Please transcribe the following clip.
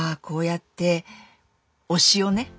こうやって推しをね